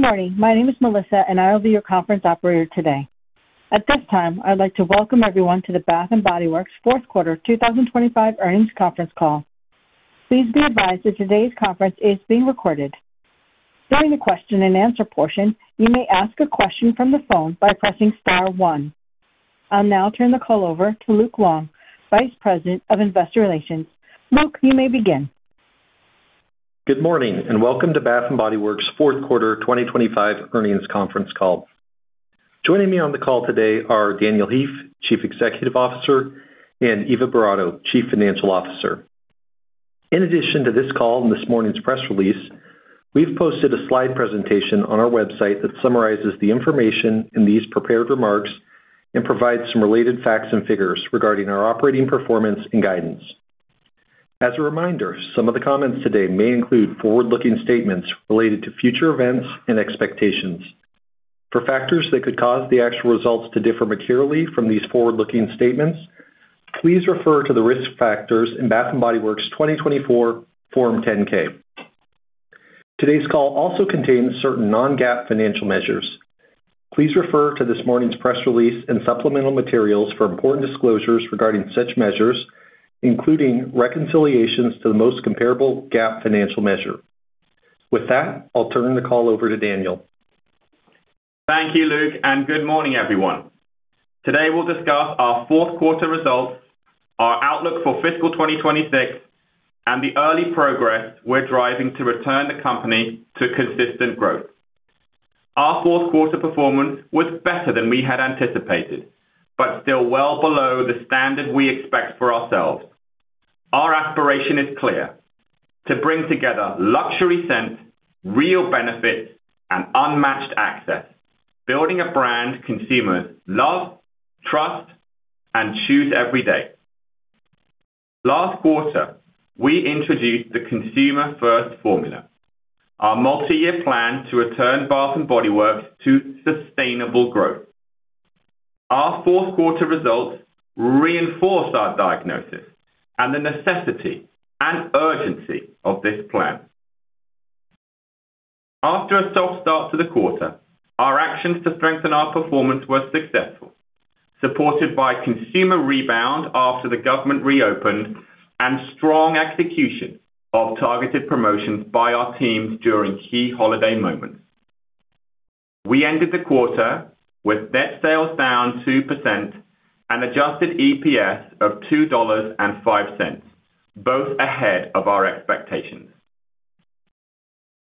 Good morning. My name is Melissa, and I will be your conference operator today. At this time, I'd like to welcome everyone to the Bath & Body Works fourth quarter 2025 earnings conference call. Please be advised that today's conference is being recorded. During the question-and-answer portion, you may ask a question from the phone by pressing star one. I'll now turn the call over to Luke Long, Vice President of Investor Relations. Luke, you may begin. Good morning, and welcome to Bath & Body Works' fourth quarter 2025 earnings conference call. Joining me on the call today are Daniel Heaf, Chief Executive Officer, and Eva Boratto, Chief Financial Officer. In addition to this call and this morning's press release, we've posted a slide presentation on our website that summarizes the information in these prepared remarks and provides some related facts and figures regarding our operating performance and guidance. As a reminder, some of the comments today may include forward-looking statements related to future events and expectations. For factors that could cause the actual results to differ materially from these forward-looking statements, please refer to the risk factors in Bath & Body Works 2024 Form 10-K. Today's call also contains certain non-GAAP financial measures. Please refer to this morning's press release and supplemental materials for important disclosures regarding such measures, including reconciliations to the most comparable GAAP financial measure. With that, I'll turn the call over to Daniel. Thank you, Luke. Good morning, everyone. Today, we'll discuss our fourth quarter results, our outlook for fiscal 2026, and the early progress we're driving to return the company to consistent growth. Our fourth quarter performance was better than we had anticipated, still well below the standard we expect for ourselves. Our aspiration is clear: to bring together luxury scents, real benefits, and unmatched access, building a brand consumers love, trust, and choose every day. Last quarter, we introduced the Consumer First Formula, our multi-year plan to return Bath & Body Works to sustainable growth. Our fourth quarter results reinforced our diagnosis and the necessity and urgency of this plan. After a soft start to the quarter, our actions to strengthen our performance were successful, supported by consumer rebound after the government reopened and strong execution of targeted promotions by our teams during key holiday moments. We ended the quarter with net sales down 2% and adjusted EPS of $2.05, both ahead of our expectations.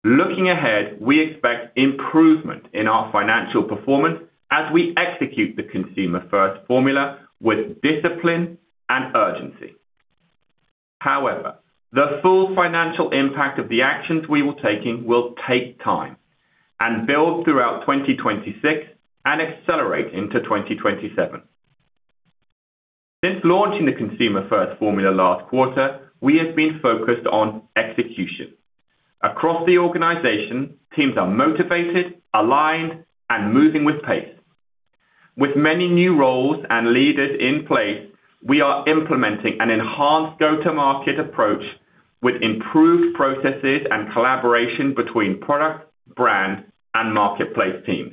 Looking ahead, we expect improvement in our financial performance as we execute the Consumer First Formula with discipline and urgency. However, the full financial impact of the actions we were taking will take time and build throughout 2026 and accelerate into 2027. Since launching the Consumer First Formula last quarter, we have been focused on execution. Across the organization, teams are motivated, aligned, and moving with pace. With many new roles and leaders in place, we are implementing an enhanced go-to-market approach with improved processes and collaboration between product, brand, and marketplace teams.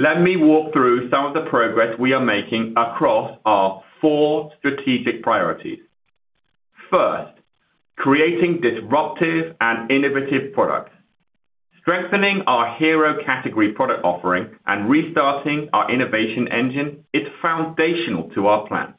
Let me walk through some of the progress we are making across our four strategic priorities. First, creating disruptive and innovative products. Strengthening our hero category product offering and restarting our innovation engine is foundational to our plans.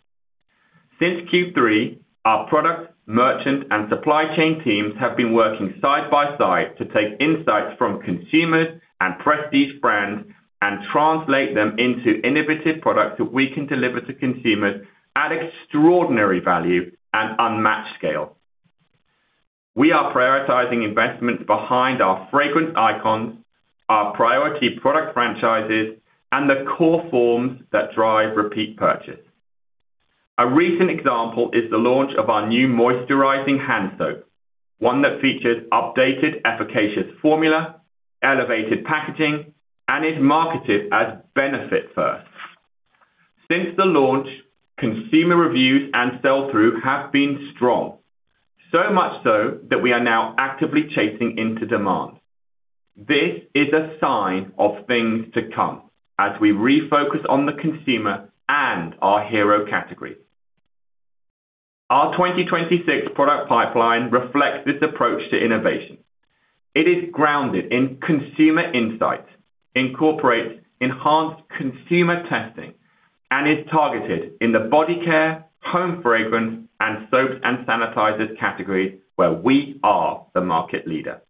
Since Q3, our product, merchant, and supply chain teams have been working side by side to take insights from consumers and prestige brands and translate them into innovative products that we can deliver to consumers at extraordinary value and unmatched scale. We are prioritizing investments behind our fragrant icons, our priority product franchises, and the core forms that drive repeat purchase. A recent example is the launch of our new moisturizing hand soap, one that features updated efficacious formula, elevated packaging, and is marketed as Benefit First. Since the launch, consumer reviews and sell-through have been strong, so much so that we are now actively chasing into demand. This is a sign of things to come as we refocus on the consumer and our hero categories. Our 2026 product pipeline reflects this approach to innovation. It is grounded in consumer insights, incorporates enhanced consumer testing, and is targeted in the Body Care, Home Fragrance, and Soaps & Sanitizers categories where we are the market leader.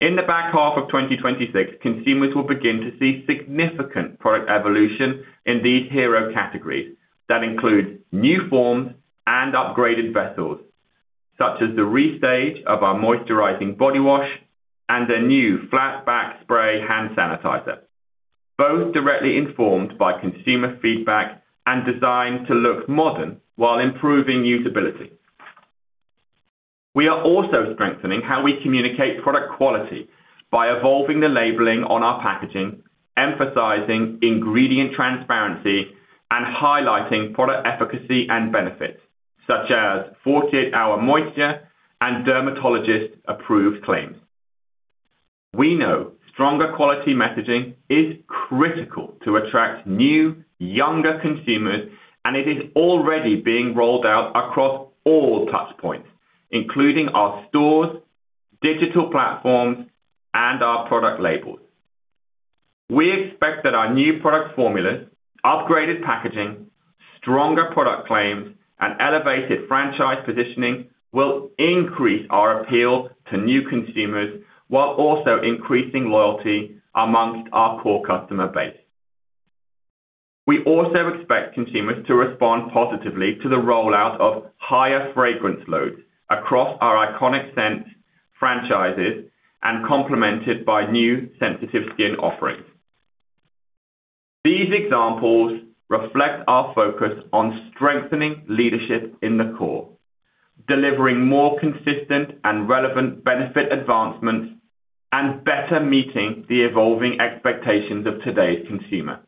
In the back half of 2026, consumers will begin to see significant product evolution in these hero categories that include new forms and upgraded vessels, such as the restage of our moisturizing body wash and a new flat back spray hand sanitizer, both directly informed by consumer feedback and designed to look modern while improving usability. We are also strengthening how we communicate product quality by evolving the labeling on our packaging, emphasizing ingredient transparency, and highlighting product efficacy and benefits. Such as 48-hour moisture and dermatologist-approved claims. We know stronger quality messaging is critical to attract new, younger consumers. It is already being rolled out across all touch points, including our stores, digital platforms, and our product labels. We expect that our new product formulas, upgraded packaging, stronger product claims, and elevated franchise positioning will increase our appeal to new consumers while also increasing loyalty amongst our core customer base. We also expect consumers to respond positively to the rollout of higher fragrance loads across our iconic scents, franchises, and complemented by new sensitive skin offerings. These examples reflect our focus on strengthening leadership in the core, delivering more consistent and relevant benefit advancements, and better meeting the evolving expectations of today's consumer.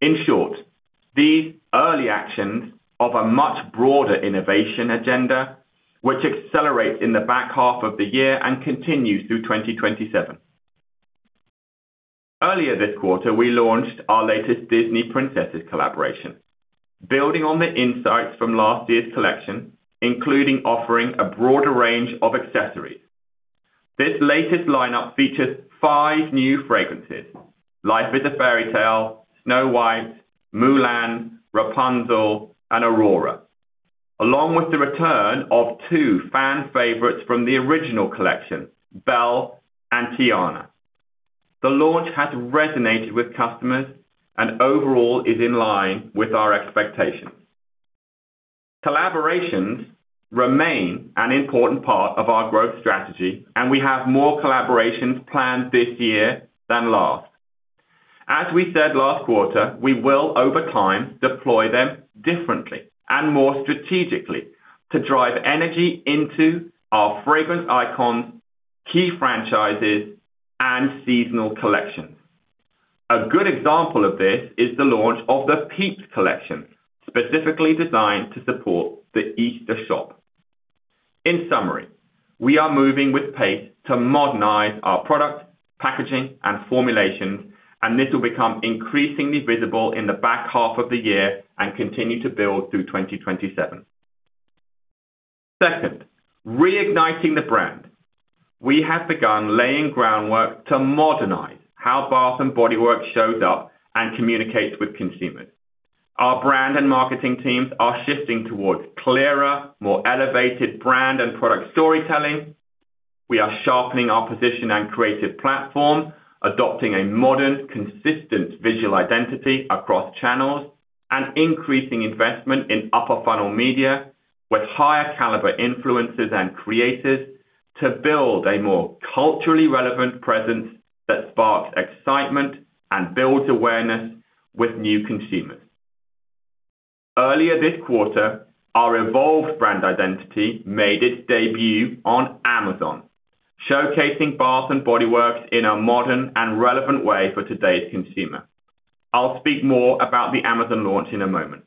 In short, these early actions of a much broader innovation agenda, which accelerates in the back half of the year and continues through 2027. Earlier this quarter, we launched our latest Disney Princess collaboration. Building on the insights from last year's collection, including offering a broader range of accessories. This latest lineup features five new fragrances: Life's a Fairytale, Snow White, Mulan, Rapunzel, and Aurora. Along with the return of two fan favorites from the original collection, Belle and Tiana. The launch has resonated with customers and overall is in line with our expectations. Collaborations remain an important part of our growth strategy. We have more collaborations planned this year than last. As we said last quarter, we will, over time, deploy them differently and more strategically to drive energy into our fragrance icons, key franchises, and seasonal collections. A good example of this is the launch of the PEEPS collection, specifically designed to support the Easter shop. In summary, we are moving with pace to modernize our product, packaging, and formulations, and this will become increasingly visible in the back half of the year and continue to build through 2027. Second, reigniting the brand. We have begun laying groundwork to modernize how Bath & Body Works shows up and communicates with consumers. Our brand and marketing teams are shifting towards clearer, more elevated brand and product storytelling. We are sharpening our position and creative platform, adopting a modern, consistent visual identity across channels, and increasing investment in upper funnel media with higher caliber influencers and creators to build a more culturally relevant presence that sparks excitement and builds awareness with new consumers. Earlier this quarter, our evolved brand identity made its debut on Amazon, showcasing Bath & Body Works in a modern and relevant way for today's consumer. I'll speak more about the Amazon launch in a moment.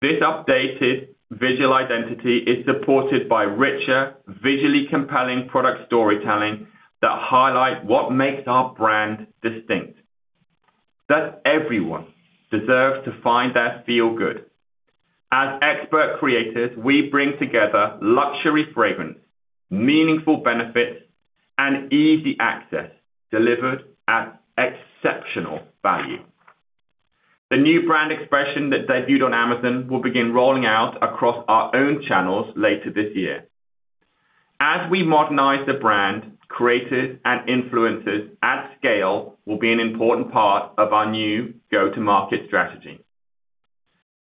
This updated visual identity is supported by richer, visually compelling product storytelling that highlight what makes our brand distinct. That everyone deserves to find their feel good. As expert creators, we bring together luxury fragrance, meaningful benefits, and easy access delivered at exceptional value. The new brand expression that debuted on Amazon will begin rolling out across our own channels later this year. As we modernize the brand, creators and influencers at scale will be an important part of our new go-to-market strategy.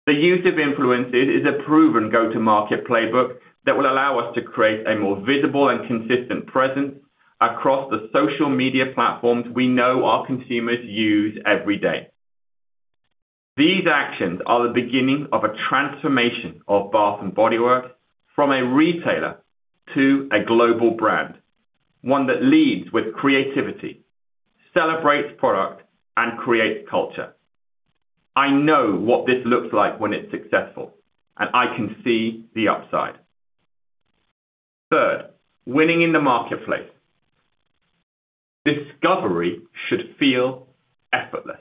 The use of influencers is a proven go-to-market playbook that will allow us to create a more visible and consistent presence across the social media platforms we know our consumers use every day. These actions are the beginning of a transformation of Bath & Body Works from a retailer to a global brand, one that leads with creativity, celebrates product, and creates culture. I know what this looks like when it's successful, and I can see the upside. Third, winning in the marketplace. Discovery should feel effortless.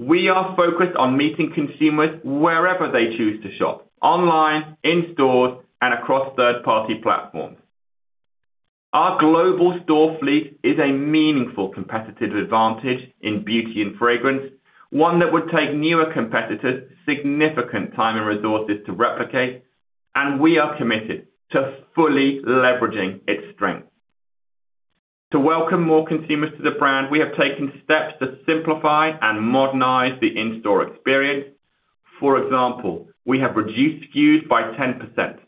We are focused on meeting consumers wherever they choose to shop, online, in stores, and across third-party platforms. Our global store fleet is a meaningful competitive advantage in beauty and fragrance, one that would take newer competitors significant time and resources to replicate, and we are committed to fully leveraging its strengths. To welcome more consumers to the brand, we have taken steps to simplify and modernize the in-store experience. For example, we have reduced SKUs by 10%.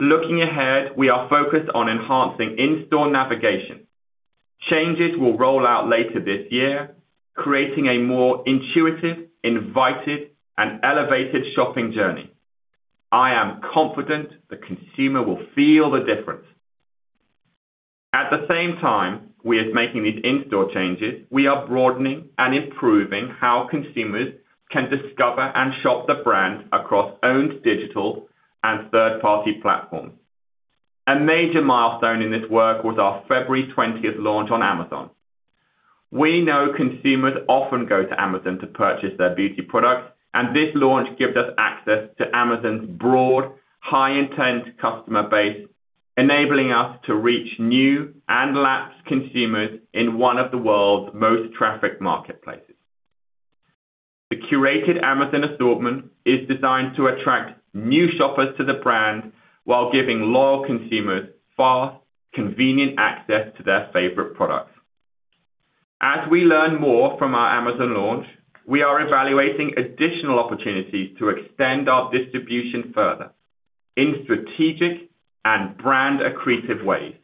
Looking ahead, we are focused on enhancing in-store navigation. Changes will roll out later this year, creating a more intuitive, invited, and elevated shopping journey. I am confident the consumer will feel the difference. At the same time, we are making these in-store changes, we are broadening and improving how consumers can discover and shop the brand across owned digital and third-party platforms. A major milestone in this work was our February 20th launch on Amazon. This launch gives us access to Amazon's broad, high-intent customer base, enabling us to reach new and lapsed consumers in one of the world's most trafficked marketplaces. The curated Amazon assortment is designed to attract new shoppers to the brand while giving loyal consumers fast, convenient access to their favorite products. As we learn more from our Amazon launch, we are evaluating additional opportunities to extend our distribution further in strategic and brand-accretive ways.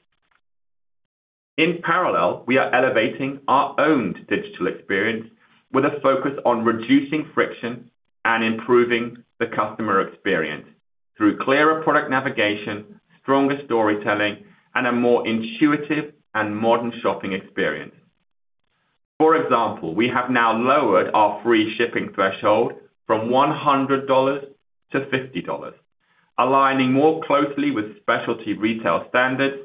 In parallel, we are elevating our own digital experience with a focus on reducing friction and improving the customer experience through clearer product navigation, stronger storytelling, and a more intuitive and modern shopping experience. For example, we have now lowered our free shipping threshold from $100 to $50, aligning more closely with specialty retail standards,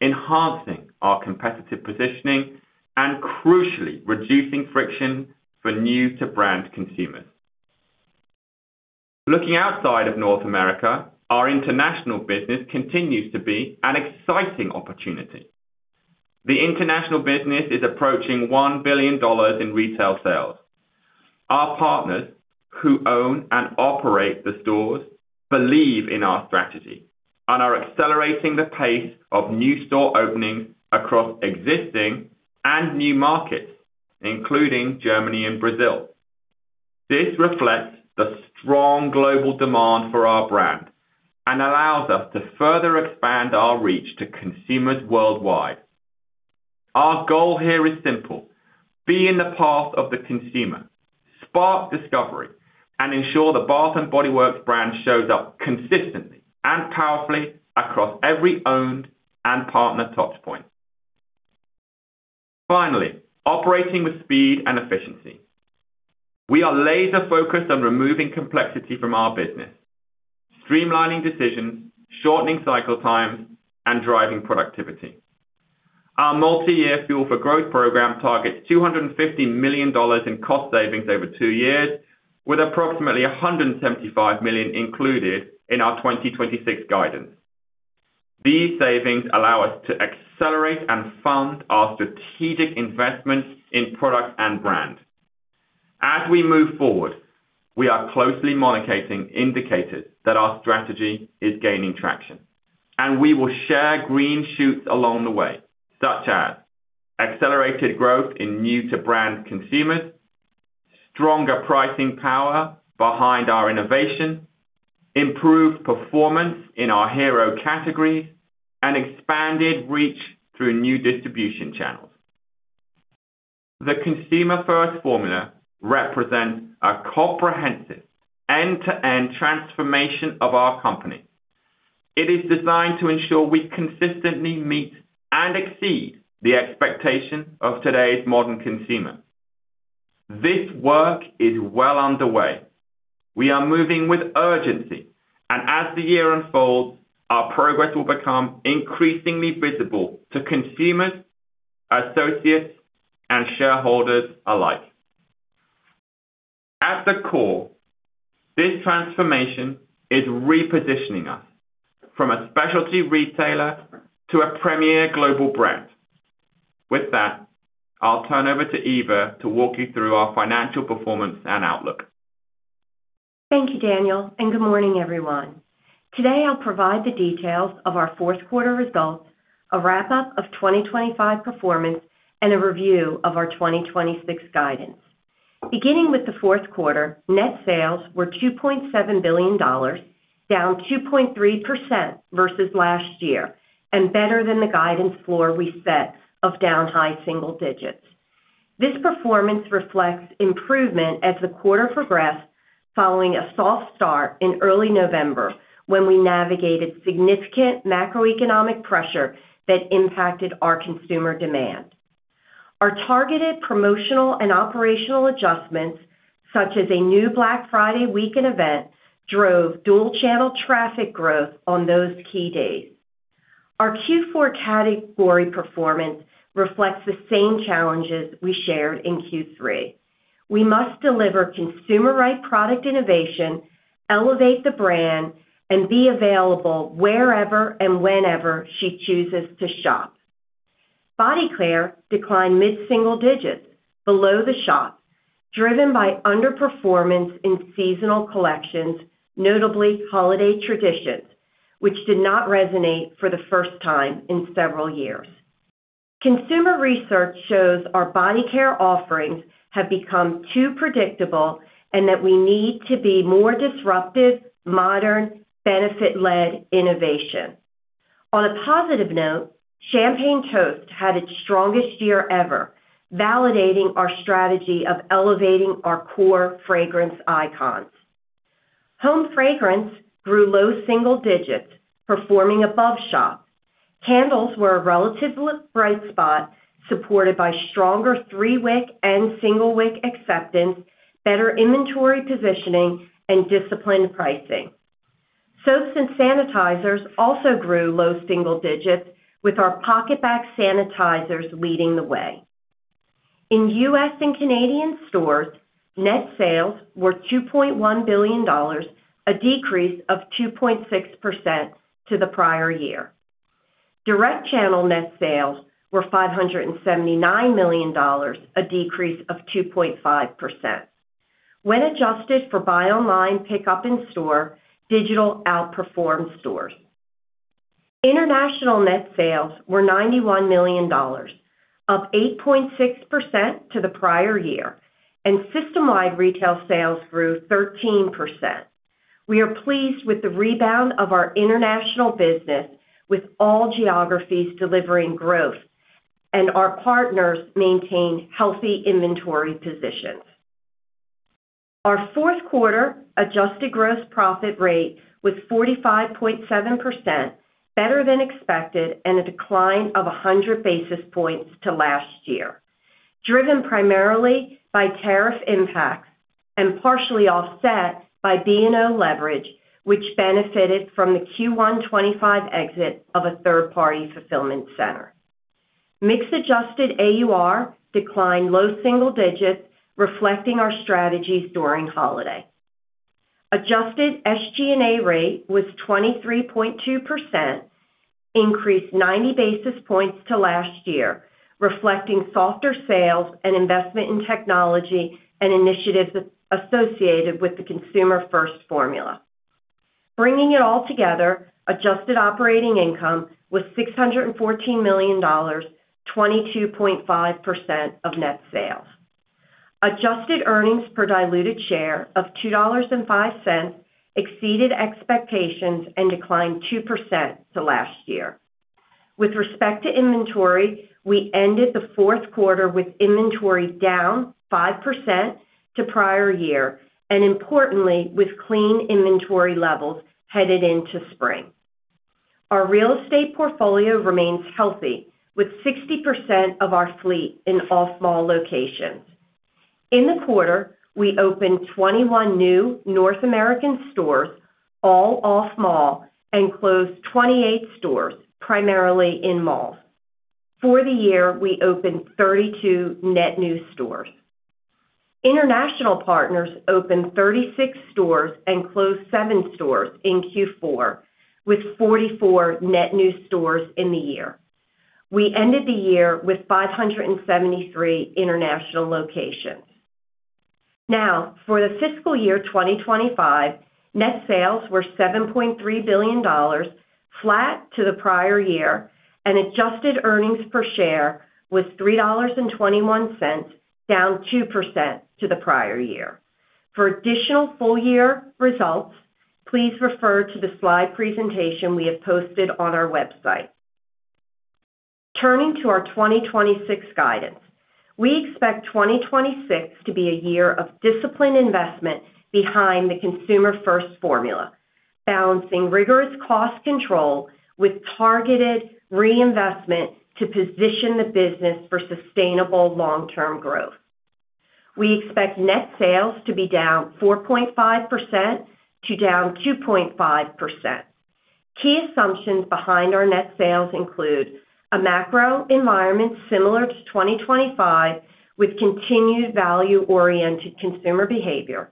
enhancing our competitive positioning and crucially reducing friction for new to brand consumers. Looking outside of North America, our international business continues to be an exciting opportunity. The international business is approaching $1 billion in retail sales. Our partners who own and operate the stores believe in our strategy and are accelerating the pace of new store openings across existing and new markets, including Germany and Brazil. This reflects the strong global demand for our brand and allows us to further expand our reach to consumers worldwide. Our goal here is simple: be in the path of the consumer, spark discovery, and ensure the Bath & Body Works brand shows up consistently and powerfully across every owned and partner touch point. Finally, operating with speed and efficiency. We are laser-focused on removing complexity from our business, streamlining decisions, shortening cycle times, and driving productivity. Our multi-year Fuel for Growth program targets $250 million in cost savings over two years, with approximately $175 million included in our 2026 guidance. These savings allow us to accelerate and fund our strategic investments in product and brand. As we move forward, we are closely monitoring indicators that our strategy is gaining traction, and we will share green shoots along the way, such as accelerated growth in new to brand consumers, stronger pricing power behind our innovation, improved performance in our hero categories, and expanded reach through new distribution channels. The Consumer First Formula represents a comprehensive end-to-end transformation of our company. It is designed to ensure we consistently meet and exceed the expectations of today's modern consumer. This work is well underway. As the year unfolds, our progress will become increasingly visible to consumers, associates, and shareholders alike. At the core, this transformation is repositioning us from a specialty retailer to a premier global brand. With that, I'll turn over to Eva to walk you through our financial performance and outlook. Thank you, Daniel, and good morning, everyone. Today, I'll provide the details of our fourth quarter results, a wrap-up of 2025 performance, and a review of our 2026 guidance. Beginning with the fourth quarter, net sales were $2.7 billion, down 2.3% versus last year, and better than the guidance floor we set of down high single digits. This performance reflects improvement as the quarter progressed following a soft start in early November when we navigated significant macroeconomic pressure that impacted our consumer demand. Our targeted promotional and operational adjustments, such as a new Black Friday weekend event, drove dual-channel traffic growth on those key days. Our Q4 category performance reflects the same challenges we shared in Q3. We must deliver consumer-right product innovation, elevate the brand, and be available wherever and whenever she chooses to shop. Body Care declined mid-single digits below the shop, driven by underperformance in seasonal collections, notably Holiday Traditions, which did not resonate for the first time in several years. Consumer research shows our Body Care offerings have become too predictable and that we need to be more disruptive, modern, benefit-led innovation. On a positive note, Champagne Toast had its strongest year ever, validating our strategy of elevating our core fragrance icons. Home fragrance grew low single digits, performing above shop. Candles were a relatively bright spot, supported by stronger three-wick and single-wick acceptance, better inventory positioning and disciplined pricing. Soaps & Sanitizers also grew low single digits with our PocketBac sanitizers leading the way. In U.S. and Canadian stores, net sales were $2.1 billion, a decrease of 2.6% to the prior year. Direct channel net sales were $579 million, a decrease of 2.5%. When adjusted for buy online, pickup in store, digital outperformed stores. International net sales were $91 million, up 8.6% to the prior year. System-wide retail sales grew 13%. We are pleased with the rebound of our international business, with all geographies delivering growth and our partners maintained healthy inventory positions. Our fourth quarter adjusted gross profit rate was 45.7%, better than expected and a decline of 100 basis points to last year, driven primarily by tariff impacts and partially offset by B&O leverage, which benefited from the Q1 2025 exit of a third-party fulfillment center. Mixed adjusted AUR declined low single digits, reflecting our strategies during holiday. Adjusted SG&A rate was 23.2%, increased 90 basis points to last year, reflecting softer sales and investment in technology and initiatives associated with the Consumer First Formula. Bringing it all together, adjusted operating income was $614 million, 22.5% of net sales. Adjusted earnings per diluted share of $2.05 exceeded expectations and declined 2% to last year. With respect to inventory, we ended the fourth quarter with inventory down 5% to prior year and importantly, with clean inventory levels headed into spring. Our real estate portfolio remains healthy, with 60% of our fleet in off-mall locations. In the quarter, we opened 21 new North American stores, all off-mall and closed 28 stores, primarily in malls. For the year, we opened 32 net new stores. International partners opened 36 stores and closed seven stores in Q4 with 44 net new stores in the year. We ended the year with 573 international locations. For the fiscal year 2025, net sales were $7.3 billion, flat to the prior year, and adjusted EPS was $3.21, down 2% to the prior year. For additional full year results, please refer to the slide presentation we have posted on our website. Turning to our 2026 guidance. We expect 2026 to be a year of disciplined investment behind the Consumer First Formula, balancing rigorous cost control with targeted reinvestment to position the business for sustainable long-term growth. We expect net sales to be down 4.5% to down 2.5%. Key assumptions behind our net sales include a macro environment similar to 2025, with continued value-oriented consumer behavior.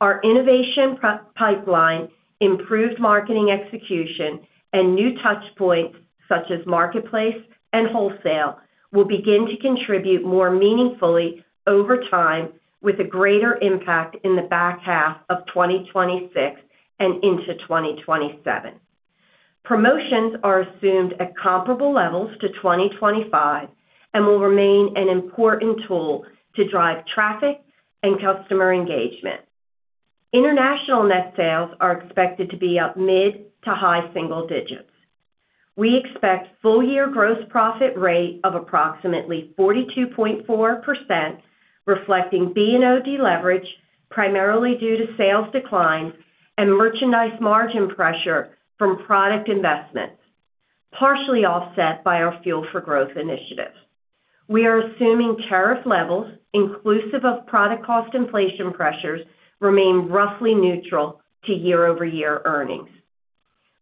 Our innovation pipeline, improved marketing execution and new touch points such as marketplace and wholesale will begin to contribute more meaningfully over time with a greater impact in the back half of 2026 and into 2027. Promotions are assumed at comparable levels to 2025 and will remain an important tool to drive traffic and customer engagement. International net sales are expected to be up mid to high single digits. We expect full year gross profit rate of approximately 42.4%, reflecting B&O deleverage, primarily due to sales decline and merchandise margin pressure from product investments, partially offset by our Fuel for Growth initiative. We are assuming tariff levels inclusive of product cost inflation pressures remain roughly neutral to year-over-year earnings.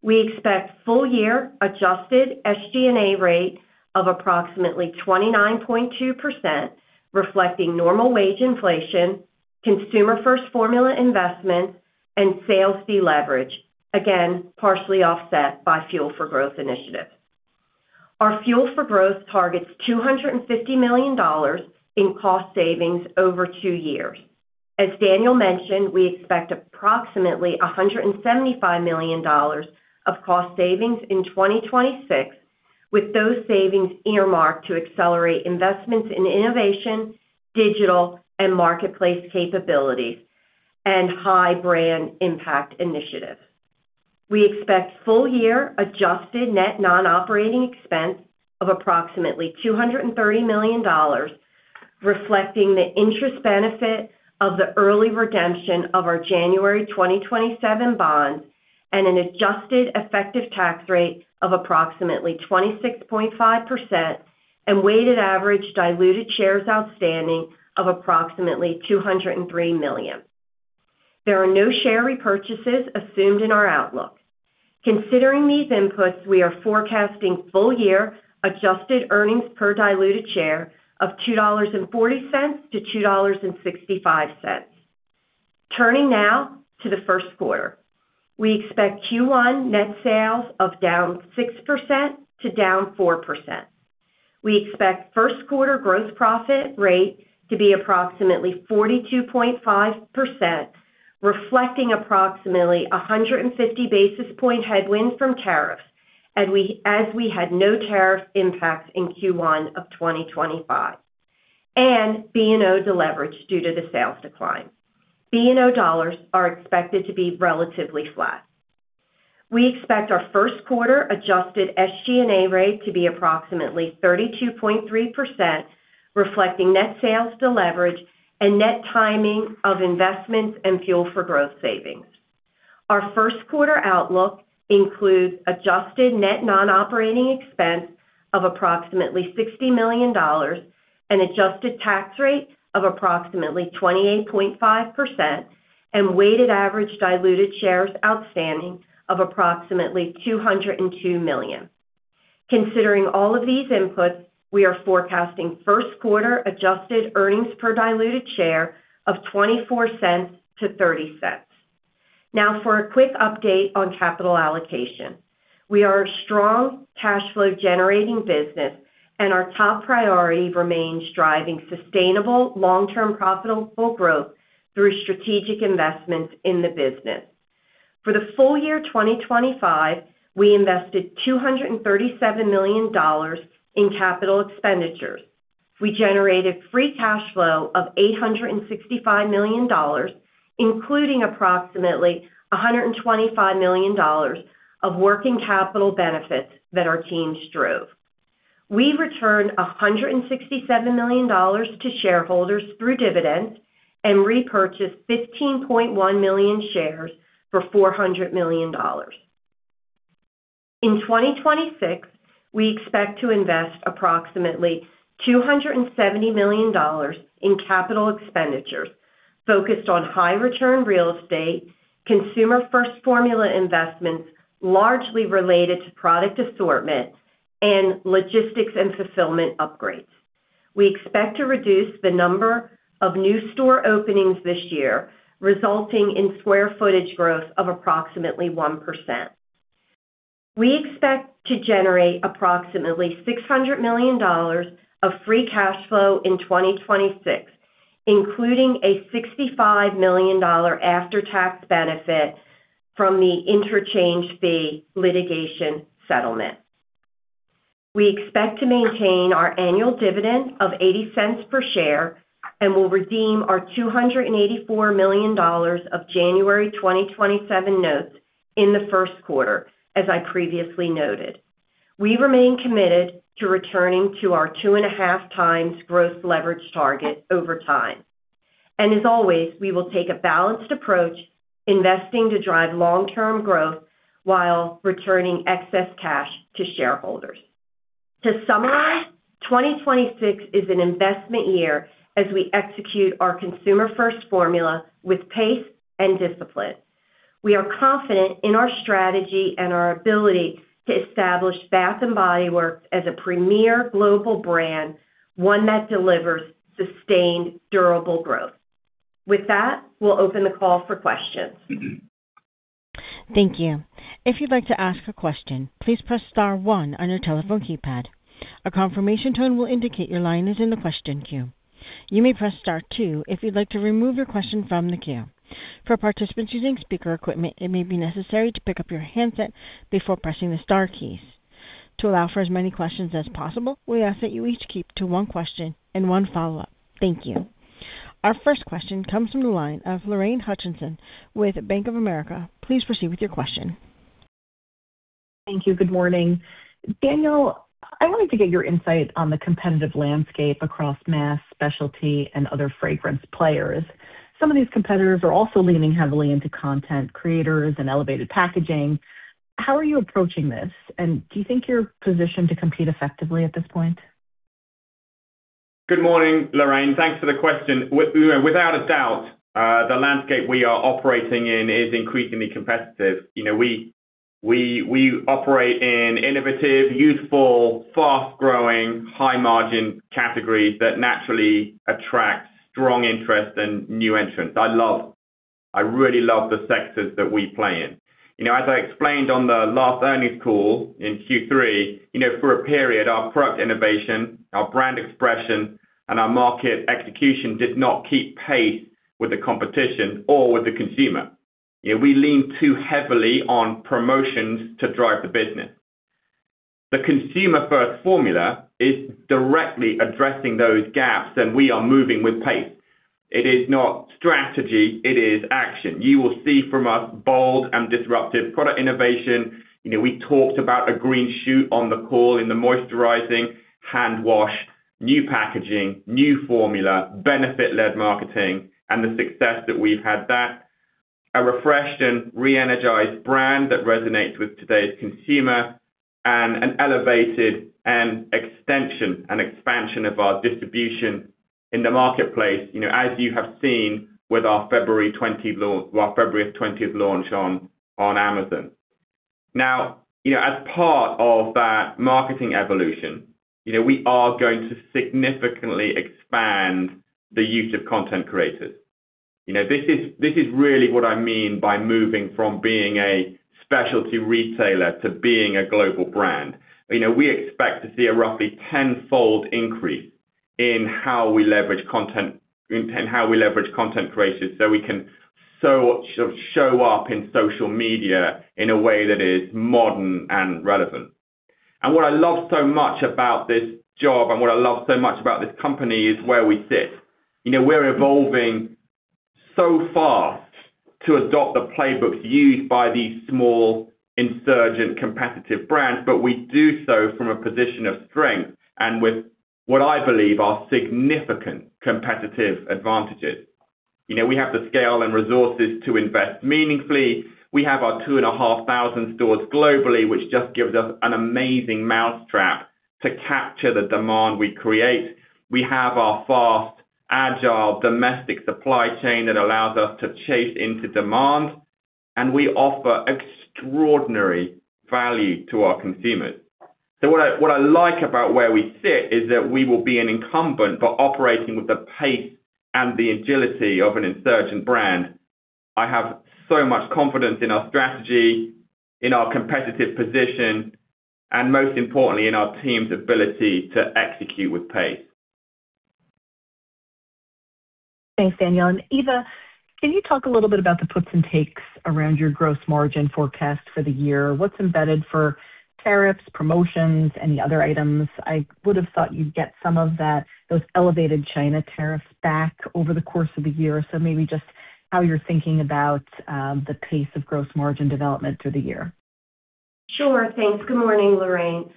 We expect full year adjusted SG&A rate of approximately 29.2%, reflecting normal wage inflation, Consumer First Formula investment and sales deleverage, again, partially offset by Fuel for Growth initiatives. Our Fuel for Growth targets $250 million in cost savings over two years. As Daniel mentioned, we expect approximately $175 million of cost savings in 2026, with those savings earmarked to accelerate investments in innovation, digital and marketplace capabilities and high brand impact initiatives. We expect full year adjusted net non-operating expense of approximately $230 million, reflecting the interest benefit of the early redemption of our January 2027 bonds and an adjusted effective tax rate of approximately 26.5% and weighted average diluted shares outstanding of approximately 203 million. There are no share repurchases assumed in our outlook. Considering these inputs, we are forecasting full-year adjusted earnings per diluted share of $2.40-$2.65. Turning now to the first quarter. We expect Q1 net sales of down 6% to down 4%. We expect first quarter gross profit rate to be approximately 42.5%, reflecting approximately 150 basis point headwind from tariffs as we had no tariff impact in Q1 of 2025 and B&O deleverage due to the sales decline. B&O dollars are expected to be relatively flat. We expect our first quarter adjusted SG&A rate to be approximately 32.3%, reflecting net sales deleverage and net timing of investments and Fuel for Growth savings. Our first quarter outlook includes adjusted net non-operating expense of approximately $60 million, an adjusted tax rate of approximately 28.5%, and weighted average diluted shares outstanding of approximately 202 million. Considering all of these inputs, we are forecasting first quarter adjusted earnings per diluted share of $0.24-$0.30. For a quick update on capital allocation. We are a strong cash flow generating business and our top priority remains driving sustainable long-term profitable growth through strategic investments in the business. For the full year 2025, we invested $237 million in capital expenditures. We generated free cash flow of $865 million, including approximately $125 million of working capital benefits that our teams drove. We returned $167 million to shareholders through dividends and repurchased 15.1 million shares for $400 million. In 2026, we expect to invest approximately $270 million in capital expenditures focused on high return real estate, Consumer First Formula investments, largely related to product assortment and logistics and fulfillment upgrades. We expect to reduce the number of new store openings this year, resulting in square footage growth of approximately 1%. We expect to generate approximately $600 million of free cash flow in 2026, including a $65 million after-tax benefit from the interchange fee litigation settlement. We expect to maintain our annual dividend of $0.80 per share and will redeem our $284 million of January 2027 notes in the first quarter. As I previously noted, we remain committed to returning to our 2.5x growth leverage target over time. As always, we will take a balanced approach, investing to drive long-term growth while returning excess cash to shareholders. To summarize, 2026 is an investment year as we execute our Consumer First Formula with pace and discipline. We are confident in our strategy and our ability to establish Bath & Body Works as a premier global brand, one that delivers sustained, durable growth. With that, we'll open the call for questions. Thank you. If you'd like to ask a question, please press star one on your telephone keypad. A confirmation tone will indicate your line is in the question queue. You may press star two if you'd like to remove your question from the queue. For participants using speaker equipment, it may be necessary to pick up your handset before pressing the star keys. To allow for as many questions as possible, we ask that you each keep to one question and one follow-up. Thank you. Our first question comes from the line of Lorraine Hutchinson with Bank of America. Please proceed with your question. Thank you. Good morning. Daniel, I wanted to get your insight on the competitive landscape across mass, specialty and other fragrance players. Some of these competitors are also leaning heavily into content creators and elevated packaging. How are you approaching this and do you think you're positioned to compete effectively at this point? Good morning, Lorraine. Thanks for the question. Without a doubt, the landscape we are operating in is increasingly competitive. You know, we operate in innovative, youthful, fast-growing, high-margin categories that naturally attract strong interest and new entrants. I really love the sectors that we play in. You know, as I explained on the last earnings call in Q3, you know, for a period, our product innovation, our brand expression, and our market execution did not keep pace with the competition or with the consumer. You know, we leaned too heavily on promotions to drive the business. The Consumer First Formula is directly addressing those gaps, and we are moving with pace. It is not strategy, it is action. You will see from us bold and disruptive product innovation. You know, we talked about a green shoot on the call in the moisturizing hand wash, new packaging, new formula, benefit-led marketing, and the success that we've had there. A refreshed and re-energized brand that resonates with today's consumer and an elevated and extension and expansion of our distribution in the marketplace. You know, as you have seen with our February 20th launch on Amazon. Now, you know, as part of that marketing evolution, you know, we are going to significantly expand the use of content creators. You know, this is really what I mean by moving from being a specialty retailer to being a global brand. You know, we expect to see a roughly tenfold increase in how we leverage content creators, so we can sort of show up in social media in a way that is modern and relevant. What I love so much about this job and what I love so much about this company is where we sit. You know, we're evolving so fast to adopt the playbooks used by these small, insurgent, competitive brands. We do so from a position of strength and with what I believe are significant competitive advantages. You know, we have the scale and resources to invest meaningfully. We have our 2,500 stores globally, which just gives us an amazing mousetrap to capture the demand we create. We have our fast, agile, domestic supply chain that allows us to chase into demand, and we offer extraordinary value to our consumers. What I like about where we sit is that we will be an incumbent but operating with the pace and the agility of an insurgent brand. I have so much confidence in our strategy, in our competitive position, and most importantly, in our team's ability to execute with pace. Thanks, Daniel. Eva, can you talk a little bit about the puts and takes around your gross margin forecast for the year? What's embedded for tariffs, promotions, any other items? I would have thought you'd get some of that, those elevated China tariffs back over the course of the year. Maybe just how you're thinking about the pace of gross margin development through the year. Sure. Thanks. Good morning, Lorraine.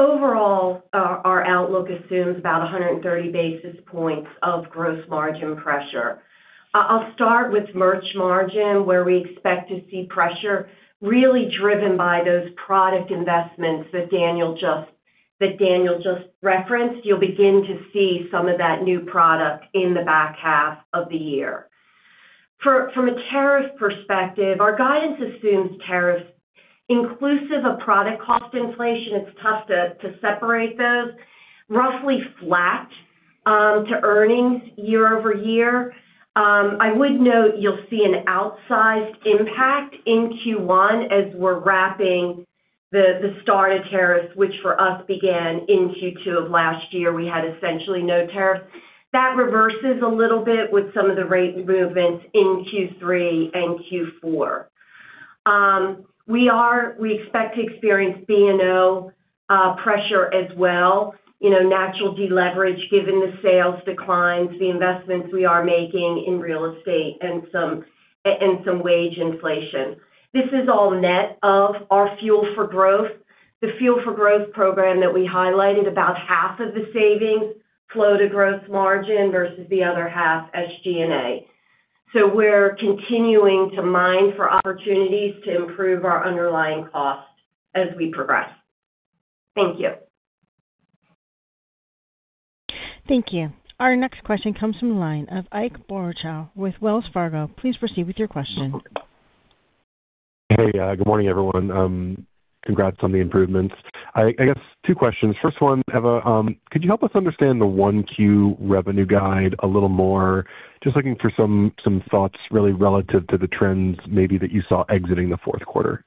Overall, our outlook assumes about 130 basis points of gross margin pressure. I'll start with merch margin, where we expect to see pressure really driven by those product investments that Daniel just referenced. You'll begin to see some of that new product in the back half of the year. From a tariff perspective, our guidance assumes tariffs inclusive of product cost inflation. It's tough to separate those. Roughly flat to earnings year-over-year. I would note you'll see an outsized impact in Q1 as we're wrapping the start of tariffs, which for us began in Q2 of last year. We had essentially no tariffs. That reverses a little bit with some of the rate movements in Q3 and Q4. We expect to experience P&L pressure as well, you know, natural deleverage, given the sales declines, the investments we are making in real estate and some wage inflation. This is all net of our Fuel for Growth. The Fuel for Growth program that we highlighted, about half of the savings flow to gross margin versus the other half SG&A. We're continuing to mine for opportunities to improve our underlying costs as we progress. Thank you. Thank you. Our next question comes from the line of Ike Boruchow with Wells Fargo. Please proceed with your question. Hey, good morning, everyone. Congrats on the improvements. I guess two questions. First one, Eva, could you help us understand the 1Q revenue guide a little more? Just looking for some thoughts really relative to the trends maybe that you saw exiting the fourth quarter.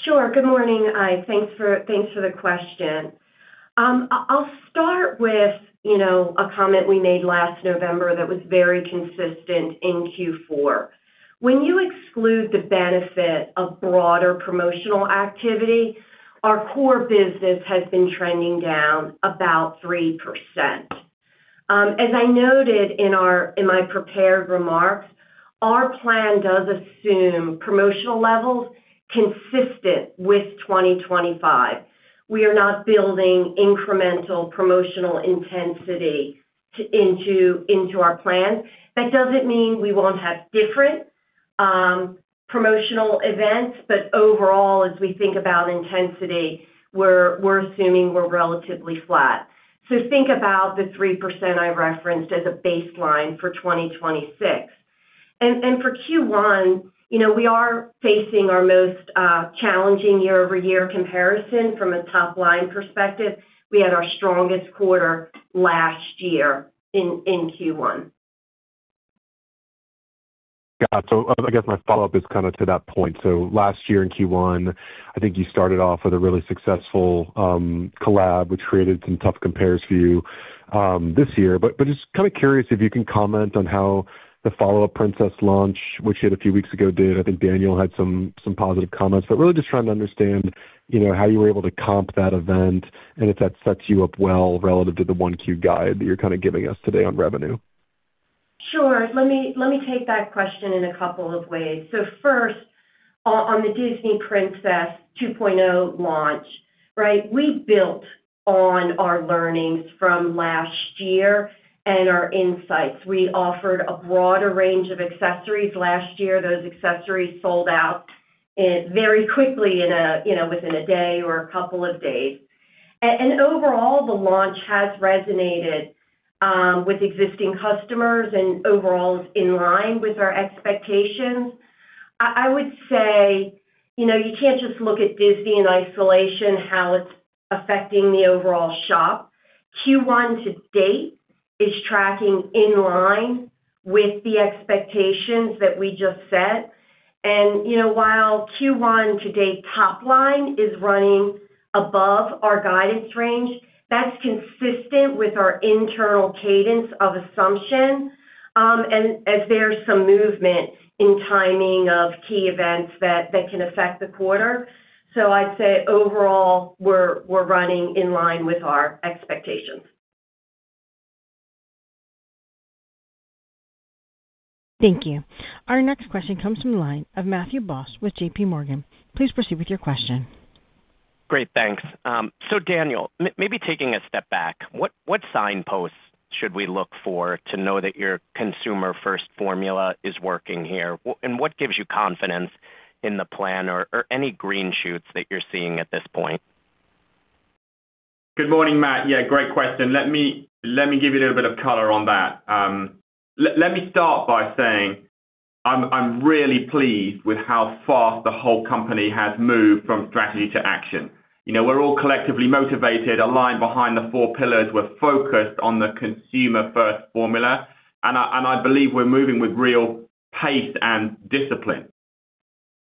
Sure. Good morning, Ike. Thanks for the question. I'll start with, you know, a comment we made last November that was very consistent in Q4. When you exclude the benefit of broader promotional activity, our core business has been trending down about 3%. As I noted in my prepared remarks, our plan does assume promotional levels consistent with 2025. We are not building incremental promotional intensity into our plan. That doesn't mean we won't have different promotional events, but overall, as we think about intensity, we're assuming we're relatively flat. Think about the 3% I referenced as a baseline for 2026. For Q1, you know, we are facing our most challenging year-over-year comparison from a top-line perspective. We had our strongest quarter last year in Q1. Got it. I guess my follow-up is kind of to that point. Last year in Q1, I think you started off with a really successful collab, which created some tough compares for you this year. Just kind of curious if you can comment on how the follow-up Princess launch, which hit a few weeks ago did. I think Daniel had some positive comments, but really just trying to understand, you know, how you were able to comp that event and if that sets you up well relative to the 1Q guide that you're kind of giving us today on revenue. Sure. Let me take that question in a couple of ways. First, on the Disney Princess 2.0 launch, right? We built on our learnings from last year and our insights. We offered a broader range of accessories last year. Those accessories sold out very quickly in a, you know, within a day or a couple of days. And overall, the launch has resonated with existing customers and overall is in line with our expectations. I would say, you know, you can't just look at Disney in isolation, how it's affecting the overall shop. Q1-to-date is tracking in line with the expectations that we just set. You know, while Q1-to-date top line is running above our guidance range, that's consistent with our internal cadence of assumption, and as there's some movement in timing of key events that can affect the quarter. I'd say overall, we're running in line with our expectations. Thank you. Our next question comes from the line of Matthew Boss with JPMorgan, please proceed with your question. Great, thanks. Daniel, maybe taking a step back, what signposts should we look for to know that your Consumer First Formula is working here? What gives you confidence in the plan or any green shoots that you're seeing at this point? Good morning, Matt. Yeah, great question. Let me give you a little bit of color on that. Let me start by saying I'm really pleased with how fast the whole company has moved from strategy to action. You know, we're all collectively motivated, aligned behind the four pillars. We're focused on the Consumer First Formula, and I believe we're moving with real pace and discipline.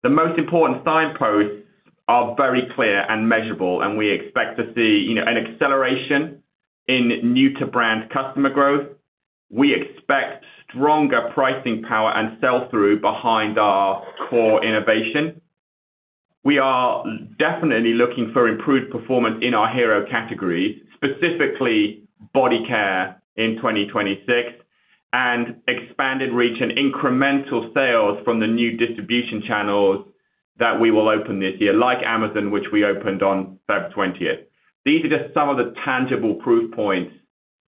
The most important signposts are very clear and measurable, and we expect to see, you know, an acceleration in new-to-brand customer growth. We expect stronger pricing power and sell-through behind our core innovation. We are definitely looking for improved performance in our hero categories, specifically Body Care in 2026, and expanded reach and incremental sales from the new distribution channels that we will open this year, like Amazon, which we opened on February 20th. These are just some of the tangible proof points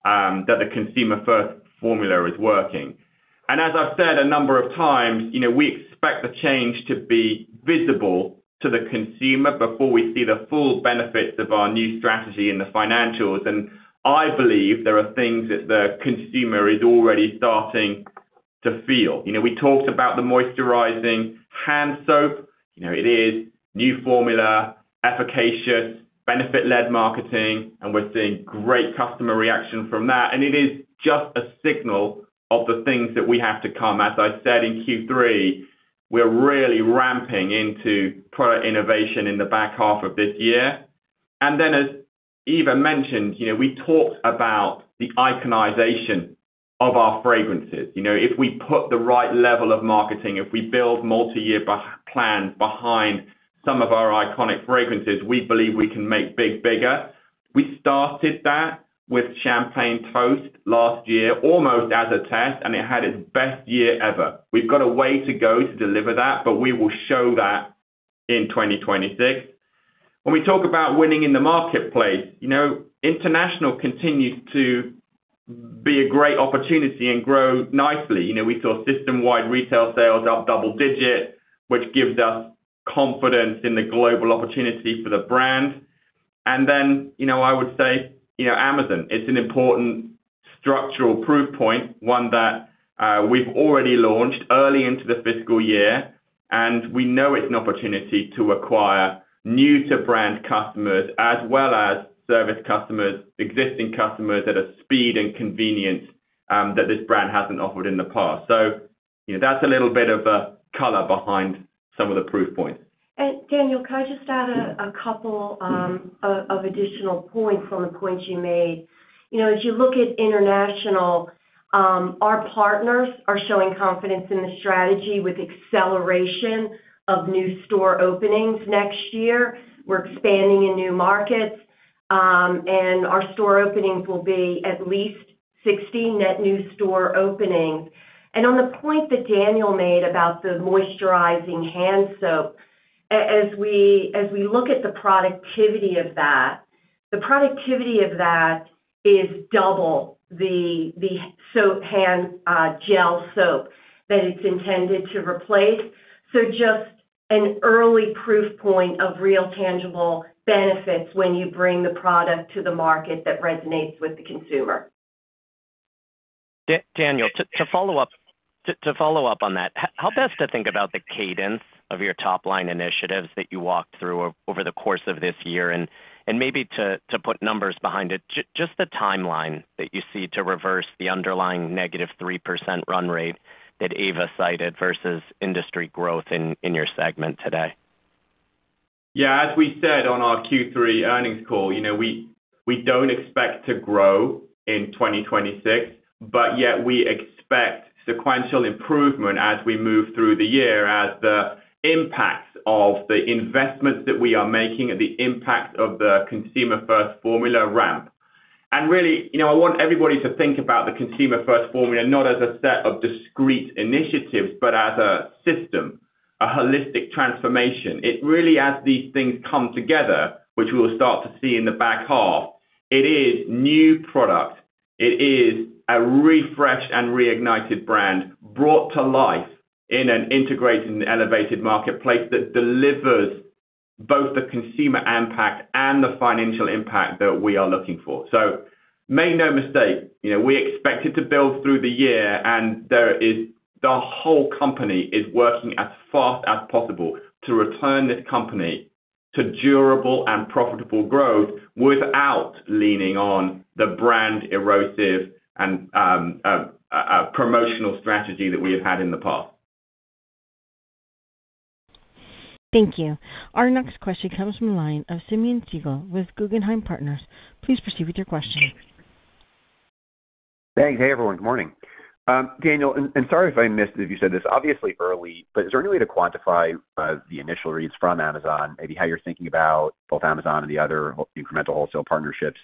that the Consumer First Formula is working. As I've said a number of times, you know, we expect the change to be visible to the consumer before we see the full benefits of our new strategy in the financials. I believe there are things that the consumer is already starting to feel. You know, we talked about the moisturizing hand soap. You know, it is new formula, efficacious, benefit-led marketing, and we're seeing great customer reaction from that. It is just a signal of the things that we have to come. As I said in Q3, we're really ramping into product innovation in the back half of this year. As Eva mentioned, you know, we talked about the iconization of our fragrances. You know, if we put the right level of marketing, if we build multiyear plans behind some of our iconic fragrances, we believe we can make big, bigger. We started that with Champagne Toast last year, almost as a test, and it had its best year ever. We will show that in 2026. When we talk about winning in the marketplace, you know, international continues to be a great opportunity and grow nicely. You know, we saw system-wide retail sales up double-digit, which gives us confidence in the global opportunity for the brand. You know, I would say, you know, Amazon, it's an important structural proof point, one that, we've already launched early into the fiscal year, and we know it's an opportunity to acquire new to brand customers as well as service customers, existing customers at a speed and convenience, that this brand hasn't offered in the past. You know, that's a little bit of a color behind some of the proof points. Daniel, could I just add a couple of additional points on the points you made? You know, as you look at international, our partners are showing confidence in the strategy with acceleration of new store openings next year. We're expanding in new markets, and our store openings will be at least 60 net new store openings. On the point that Daniel made about the moisturizing hand soap, as we look at the productivity of that, the productivity of that is double the soap hand gel soap that it's intended to replace. Just an early proof point of real tangible benefits when you bring the product to the market that resonates with the consumer. Daniel, to follow up on that, how best to think about the cadence of your top-line initiatives that you walked through over the course of this year? And maybe to put numbers behind it, just the timeline that you see to reverse the underlying -3% run rate that Eva cited versus industry growth in your segment today? As we said on our Q3 earnings call, you know, we don't expect to grow in 2026, but yet we expect sequential improvement as we move through the year as the impact of the investments that we are making and the impact of the Consumer First Formula ramp. Really, you know, I want everybody to think about the Consumer First Formula, not as a set of discrete initiatives, but as a system, a holistic transformation. It really as these things come together, which we'll start to see in the back half, it is new product. It is a refreshed and reignited brand brought to life in an integrated and elevated marketplace that delivers both the consumer impact and the financial impact that we are looking for. Make no mistake, you know, we expect it to build through the year, and the whole company is working as fast as possible to return this company to durable and profitable growth without leaning on the brand erosive and a promotional strategy that we have had in the past. Thank you. Our next question comes from the line of Simeon Siegel with Guggenheim Partners. Please proceed with your question. Thanks. Hey, everyone. Good morning. Daniel, and sorry if I missed it if you said this, obviously early, but is there any way to quantify the initial reads from Amazon, maybe how you're thinking about both Amazon and the other incremental wholesale partnerships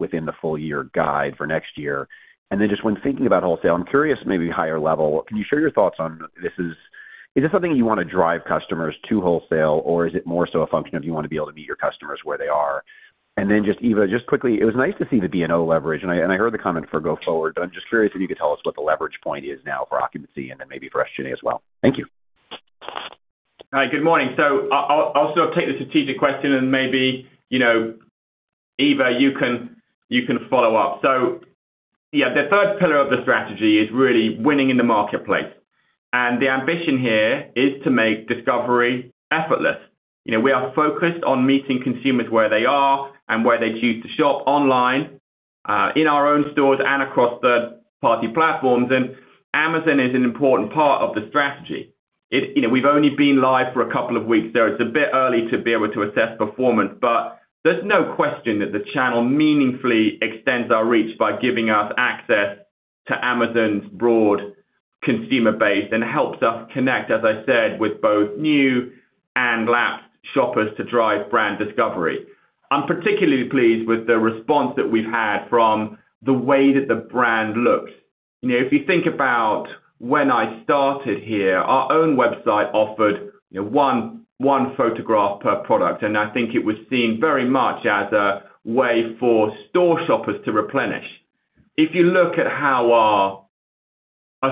within the full year guide for next year? When thinking about wholesale, I'm curious, maybe higher level, can you share your thoughts on Is this something you wanna drive customers to wholesale, or is it more so a function of you wanna be able to meet your customers where they are? Then just, Eva, just quickly, it was nice to see the B&O leverage, and I heard the comment for go forward, I'm just curious if you could tell us what the leverage point is now for occupancy and then maybe for SG&A as well. Thank you. Hi. Good morning. I'll still take the strategic question and maybe, you know, Eva, you can follow up. Yeah, the third pillar of the strategy is really winning in the marketplace. The ambition here is to make discovery effortless. You know, we are focused on meeting consumers where they are and where they choose to shop online, in our own stores and across third-party platforms. Amazon is an important part of the strategy. You know, we've only been live for a couple of weeks, so it's a bit early to be able to assess performance, but there's no question that the channel meaningfully extends our reach by giving us access to Amazon's broad consumer base and helps us connect, as I said, with both new and lapsed shoppers to drive brand discovery. I'm particularly pleased with the response that we've had from the way that the brand looks. You know, if you think about when I started here, our own website offered, you know, one photograph per product, and I think it was seen very much as a way for store shoppers to replenish. If you look at how our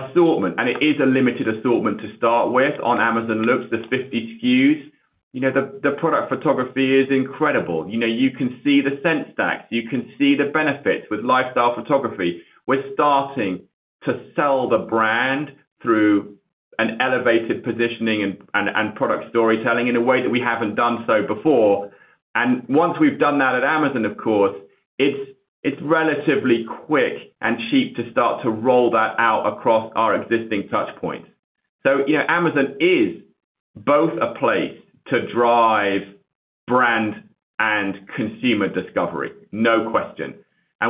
assortment, and it is a limited assortment to start with, on Amazon looks, there's 50 SKUs. You know, the product photography is incredible. You know, you can see the scent stacks, you can see the benefits with lifestyle photography. We're starting to sell the brand through an elevated positioning and product storytelling in a way that we haven't done so before. Once we've done that at Amazon, of course, it's relatively quick and cheap to start to roll that out across our existing touchpoints. You know, Amazon is both a place to drive brand and consumer discovery, no question.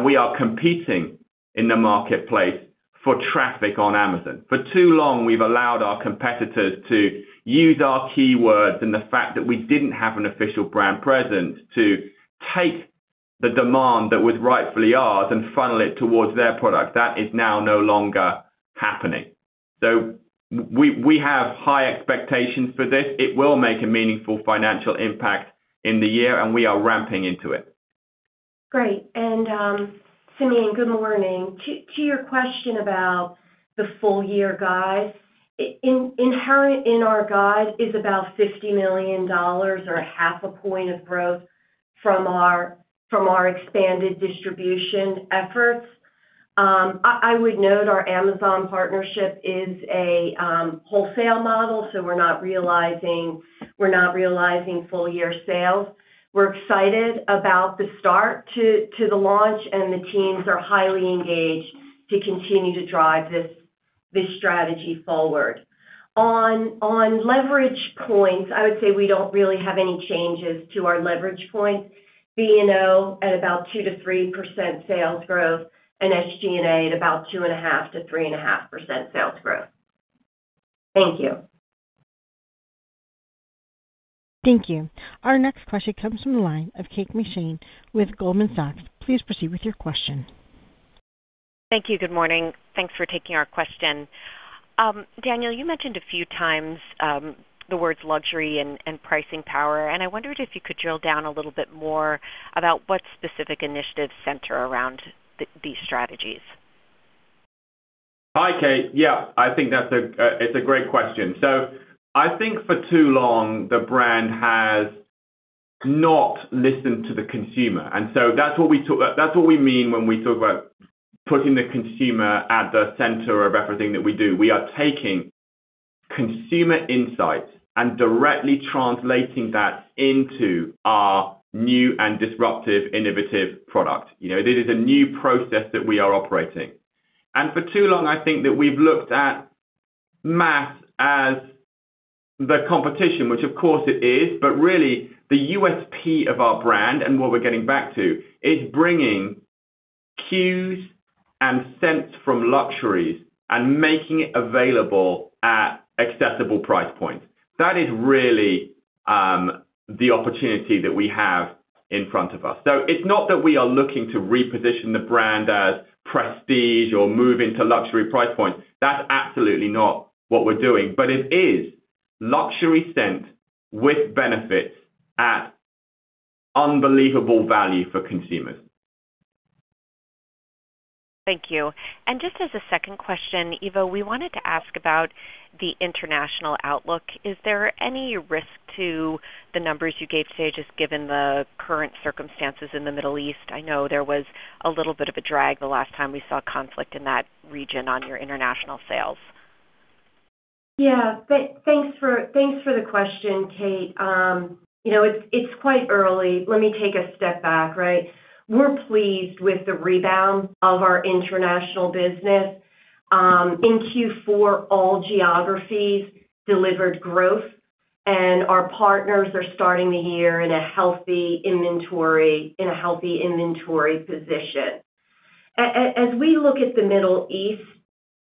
We are competing in the marketplace for traffic on Amazon. For too long, we've allowed our competitors to use our keywords and the fact that we didn't have an official brand presence to take the demand that was rightfully ours and funnel it towards their product. That is now no longer happening. We have high expectations for this. It will make a meaningful financial impact in the year, and we are ramping into it. Great. Simeon, good morning. To your question about the full year guide, inherent in our guide is about $50 million or half a point of growth from our expanded distribution efforts. I would note our Amazon partnership is a wholesale model, so we're not realizing full year sales. We're excited about the start to the launch, and the teams are highly engaged to continue to drive this strategy forward. On leverage points, I would say we don't really have any changes to our leverage points. B&O at about 2%-3% sales growth and SG&A at about 2.5%-3.5% sales growth. Thank you. Thank you. Our next question comes from the line of Kate McShane with Goldman Sachs. Please proceed with your question. Thank you. Good morning. Thanks for taking our question. Daniel, you mentioned a few times, the words luxury and pricing power, and I wondered if you could drill down a little bit more about what specific initiatives center around these strategies. Hi, Kate. Yeah, I think that's a great question. I think for too long, the brand has not listened to the consumer. That's what we mean when we talk about putting the consumer at the center of everything that we do. We are taking consumer insights and directly translating that into our new and disruptive, innovative product. You know, this is a new process that we are operating. For too long, I think that we've looked at Mass as the competition, which of course it is, but really the USP of our brand and what we're getting back to is bringing cues and scents from luxuries and making it available at accessible price points. That is really the opportunity that we have in front of us. It's not that we are looking to reposition the brand as prestige or move into luxury price points. That's absolutely not what we're doing, but it is luxury scent with benefits at unbelievable value for consumers. Thank you. Just as a second question, Eva, we wanted to ask about the international outlook. Is there any risk to the numbers you gave today, just given the current circumstances in the Middle East? I know there was a little bit of a drag the last time we saw conflict in that region on your international sales. Yeah. Thanks for the question, Kate. You know, it's quite early. Let me take a step back, right? We're pleased with the rebound of our international business. In Q4, all geographies delivered growth, and our partners are starting the year in a healthy inventory position. As we look at the Middle East,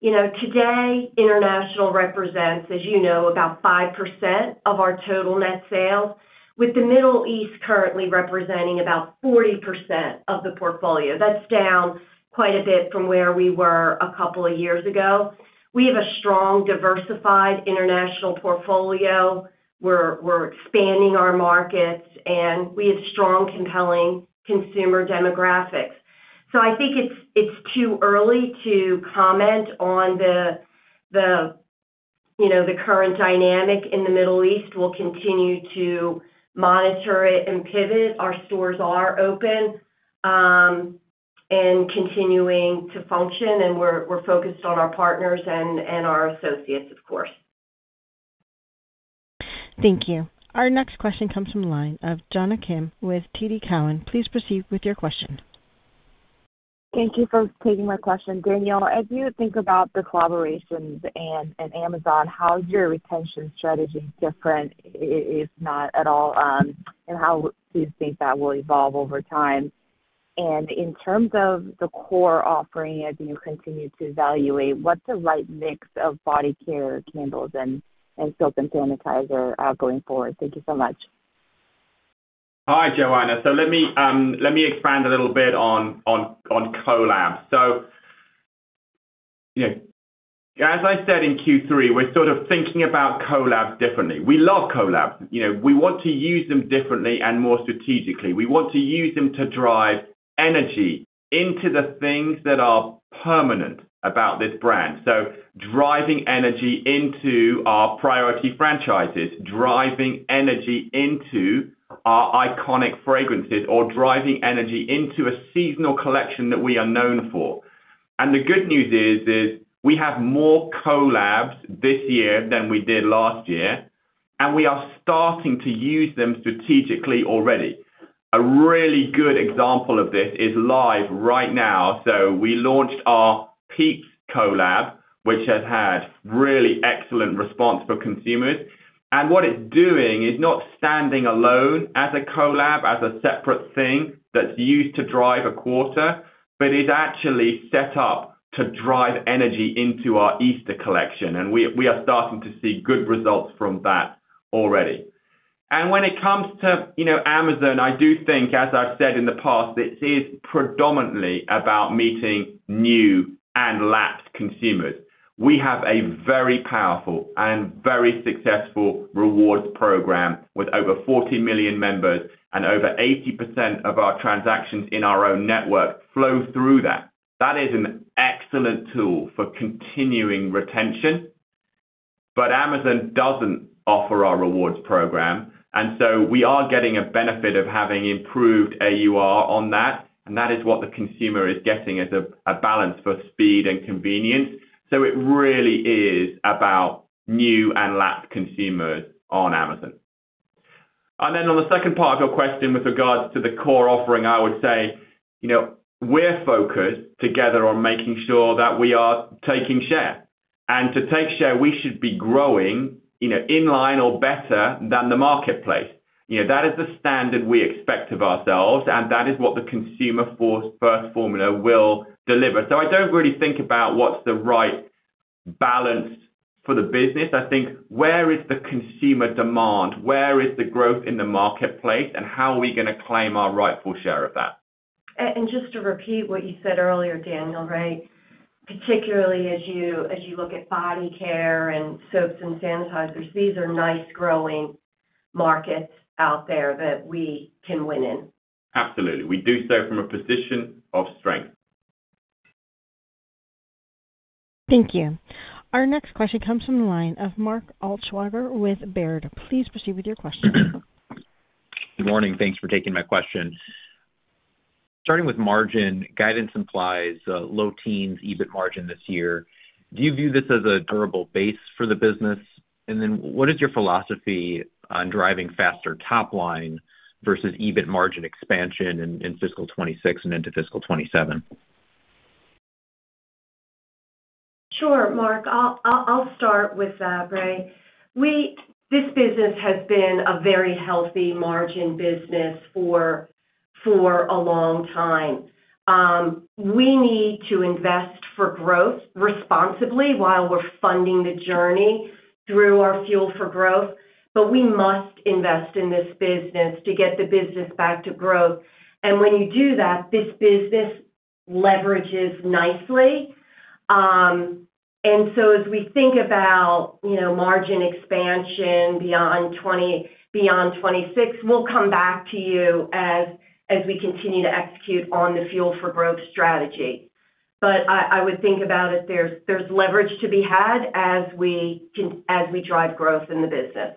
you know, today, international represents, as you know, about 5% of our total net sales, with the Middle East currently representing about 40% of the portfolio. That's down quite a bit from where we were a couple of years ago. We have a strong, diversified international portfolio. We're expanding our markets, and we have strong, compelling consumer demographics. I think it's too early to comment on the, you know, the current dynamic in the Middle East. We'll continue to monitor it and pivot. Our stores are open, and continuing to function, and we're focused on our partners and our associates, of course. Thank you. Our next question comes from the line of Jonna Kim with TD Cowen. Please proceed with your question. Thank you for taking my question. Daniel, as you think about the collaborations and Amazon, how is your retention strategy different, if not at all, and how do you think that will evolve over time? In terms of the core offering, as you continue to evaluate what's the right mix of Body Care, candles, and Soap & Sanitizer, going forward? Thank you so much. Hi, Jonna. Let me expand a little bit on collabs. You know, as I said in Q3, we're sort of thinking about collabs differently. We love collabs. You know, we want to use them differently and more strategically. We want to use them to drive energy into the things that are permanent about this brand. Driving energy into our priority franchises, driving energy into our iconic fragrances, or driving energy into a seasonal collection that we are known for. The good news is, we have more collabs this year than we did last year, we are starting to use them strategically already. A really good example of this is live right now. We launched our PEEPS collab, which has had really excellent response for consumers. What it's doing is not standing alone as a collab, as a separate thing that's used to drive a quarter, but is actually set up to drive energy into our Easter collection, and we are starting to see good results from that already. When it comes to, you know, Amazon, I do think, as I've said in the past, it is predominantly about meeting new and lapsed consumers. We have a very powerful and very successful rewards program with over 40 million members and over 80% of our transactions in our own network flow through that. That is an excellent tool for continuing retention. Amazon doesn't offer our rewards program, and so we are getting a benefit of having improved AUR on that, and that is what the consumer is getting as a balance for speed and convenience. It really is about new and lapsed consumers on Amazon. On the second part of your question with regards to the core offering, I would say, you know, we're focused together on making sure that we are taking share. To take share, we should be growing, you know, in line or better than the marketplace. That is the standard we expect of ourselves, and that is what the Consumer First Formula will deliver. I don't really think about what's the right balance for the business. I think, where is the consumer demand? Where is the growth in the marketplace, and how are we gonna claim our rightful share of that? Just to repeat what you said earlier, Daniel, right? Particularly as you look at Body Care and Soaps & Sanitizers, these are nice growing markets out there that we can win in. Absolutely. We do so from a position of strength. Thank you. Our next question comes from the line of Mark Altschwager with Baird. Please proceed with your question. Good morning. Thanks for taking my question. Starting with margin, guidance implies low teens EBIT margin this year. Do you view this as a durable base for the business? Then what is your philosophy on driving faster top line versus EBIT margin expansion in fiscal 2026 and into fiscal 2027? Sure, Mark. I'll start with that. This business has been a very healthy margin business for a long time. We need to invest for growth responsibly while we're funding the journey through our Fuel for Growth. We must invest in this business to get the business back to growth. When you do that, this business leverages nicely. As we think about, you know, margin expansion beyond 20, beyond 26, we'll come back to you as we continue to execute on the Fuel for Growth strategy. I would think about it, there's leverage to be had as we drive growth in the business.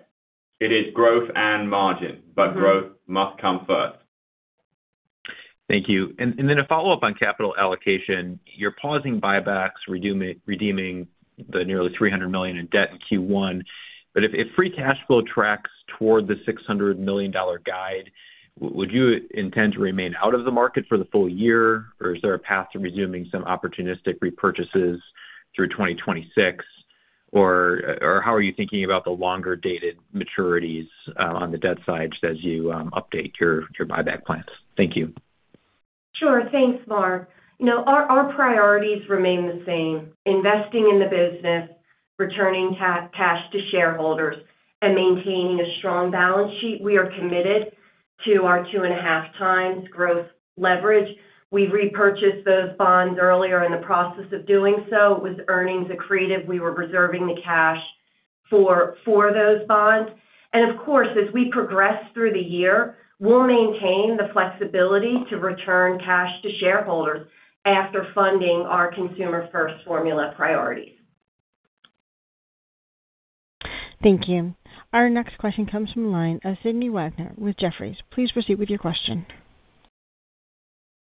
It is growth and margin. Mm-hmm. Growth must come first. Thank you. Then a follow-up on capital allocation. You're pausing buybacks, redeeming the nearly $300 million in debt in Q1. If free cash flow tracks toward the $600 million guide, would you intend to remain out of the market for the full year, or is there a path to resuming some opportunistic repurchases through 2026? Or how are you thinking about the longer-dated maturities on the debt side as you update your buyback plans? Thank you. Sure. Thanks, Mark. You know, our priorities remain the same: investing in the business, returning cash to shareholders, and maintaining a strong balance sheet. We are committed to our 2.5x growth leverage. We repurchased those bonds earlier in the process of doing so with earnings accretive. We were reserving the cash for those bonds. Of course, as we progress through the year, we'll maintain the flexibility to return cash to shareholders after funding our Consumer First Formula priorities. Thank you. Our next question comes from the line of Sydney Wagner with Jefferies. Please proceed with your question.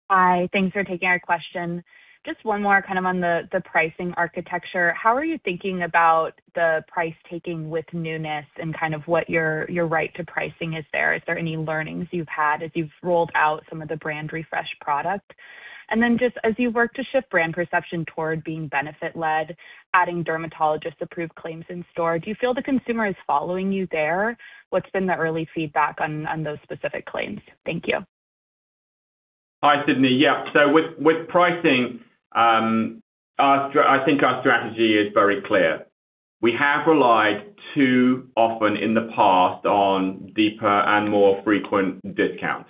Hi. Thanks for taking our question. Just one more kind of on the pricing architecture. How are you thinking about the price taking with newness and kind of what your right to pricing is there? Is there any learnings you've had as you've rolled out some of the brand refresh product? Just as you work to shift brand perception toward being benefit-led, adding dermatologist-approved claims in store, do you feel the consumer is following you there? What's been the early feedback on those specific claims? Thank you. Hi, Sydney. Yeah. With pricing, I think our strategy is very clear. We have relied too often in the past on deeper and more frequent discounts.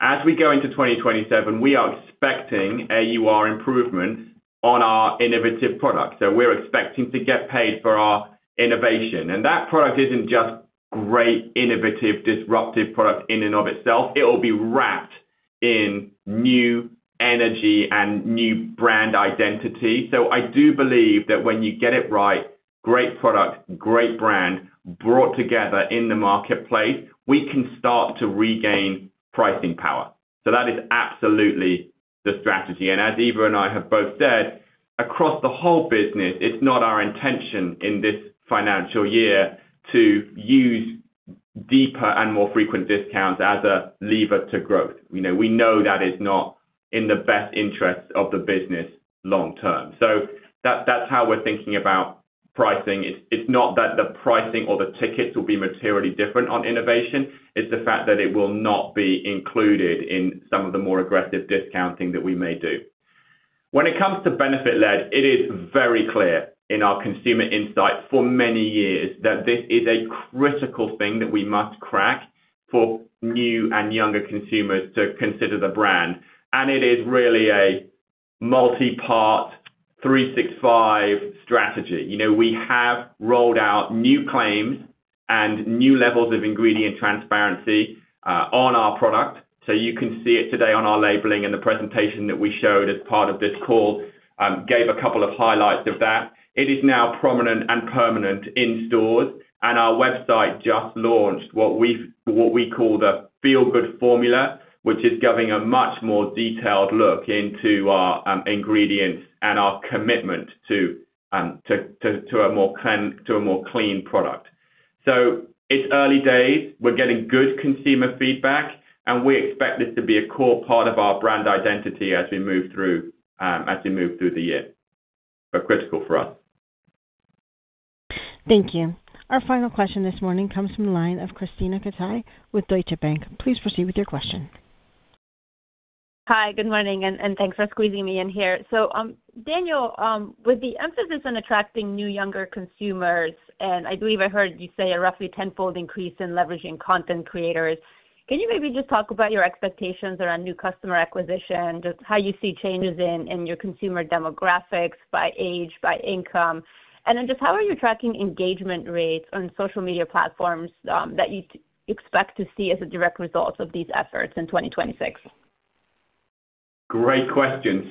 As we go into 2027, we are expecting AUR improvement on our innovative products. We're expecting to get paid for our innovation. That product isn't just great, innovative, disruptive product in and of itself. It'll be wrapped in new energy and new brand identity. I do believe that when you get it right, great product, great brand, brought together in the marketplace, we can start to regain pricing power. That is absolutely the strategy. As Eva and I have both said, across the whole business, it's not our intention in this financial year to use deeper and more frequent discounts as a lever to growth. You know, we know that is not in the best interest of the business long term. That's how we're thinking about pricing. It's not that the pricing or the tickets will be materially different on innovation, it's the fact that it will not be included in some of the more aggressive discounting that we may do. When it comes to benefit-led, it is very clear in our consumer insight for many years that this is a critical thing that we must crack for new and younger consumers to consider the brand. It is really a multi-part 365 strategy. You know, we have rolled out new claims and new levels of ingredient transparency on our product. You can see it today on our labeling and the presentation that we showed as part of this call gave a couple of highlights of that. It is now prominent and permanent in stores, and our website just launched what we call the Feel-Good Formula, which is giving a much more detailed look into our ingredients and our commitment to a more clean product. It's early days. We're getting good consumer feedback, and we expect this to be a core part of our brand identity as we move through as we move through the year. Critical for us. Thank you. Our final question this morning comes from the line of Krisztina Katai with Deutsche Bank. Please proceed with your question. Hi, good morning, and thanks for squeezing me in here. Daniel, with the emphasis on attracting new younger consumers, and I believe I heard you say a roughly 10x increase in leveraging content creators, can you maybe just talk about your expectations around new customer acquisition, just how you see changes in your consumer demographics by age, by income? Just how are you tracking engagement rates on social media platforms, that you'd expect to see as a direct result of these efforts in 2026? Great question.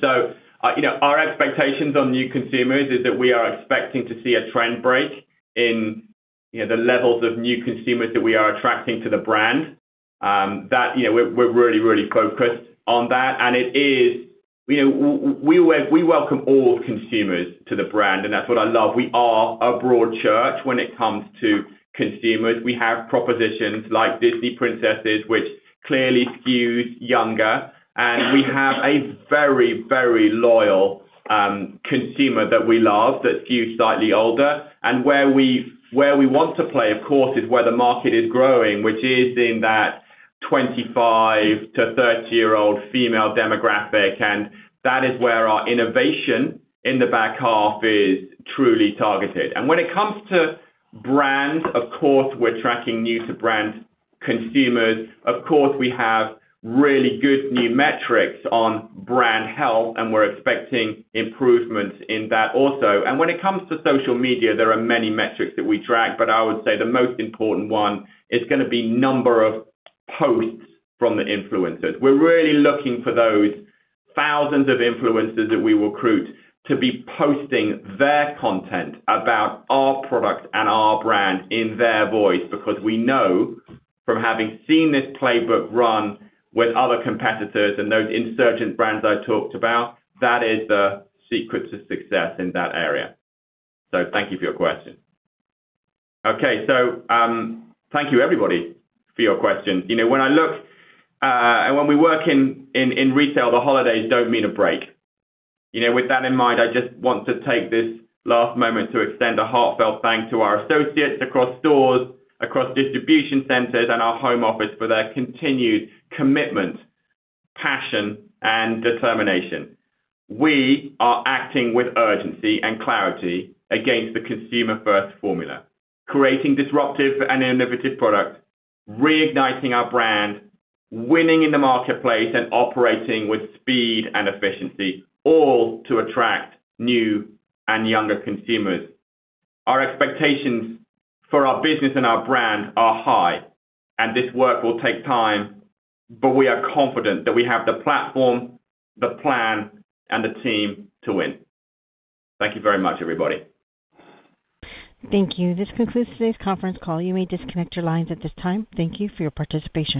You know, our expectations on new consumers is that we are expecting to see a trend break in, you know, the levels of new consumers that we are attracting to the brand. That, you know, we're really focused on that. You know, we welcome all consumers to the brand, and that's what I love. We are a broad church when it comes to consumers. We have propositions like Disney Princess, which clearly skews younger, and we have a very loyal consumer that we love that skews slightly older. Where we want to play, of course, is where the market is growing, which is in that 25 to 30-year-old female demographic. That is where our innovation in the back half is truly targeted. When it comes to brands, of course, we're tracking new to brand consumers. Of course, we have really good new metrics on brand health, and we're expecting improvements in that also. When it comes to social media, there are many metrics that we track, but I would say the most important one is gonna be number of posts from the influencers. We're really looking for those thousands of influencers that we recruit to be posting their content about our product and our brand in their voice, because we know from having seen this playbook run with other competitors and those insurgent brands I talked about, that is the secret to success in that area. Thank you for your question. Okay. Thank you everybody for your questions. You know, when I look, when we work in, in retail, the holidays don't mean a break. You know, with that in mind, I just want to take this last moment to extend a heartfelt thanks to our associates across stores, across distribution centers, and our home office for their continued commitment, passion, and determination. We are acting with urgency and clarity against the Consumer First Formula, creating disruptive and innovative products, reigniting our brand, winning in the marketplace, and operating with speed and efficiency, all to attract new and younger consumers. Our expectations for our business and our brand are high, and this work will take time, but we are confident that we have the platform, the plan, and the team to win. Thank you very much, everybody. Thank you. This concludes today's conference call. You may disconnect your lines at this time. Thank you for your participation.